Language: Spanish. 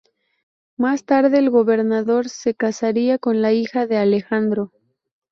Más tarde el gobernador se casaría con la hija de Alejandro.